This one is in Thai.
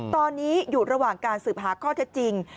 ตอนนี้อยู่ระหว่างการสืบหาข้อเท็จจริง